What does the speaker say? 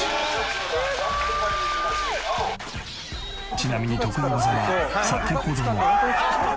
ちなみに得意技は先ほどの。